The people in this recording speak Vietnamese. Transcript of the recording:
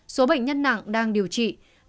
số bệnh nhân nặng đang điều trị